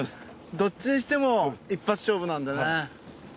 どっちにしても１発勝負なんだよね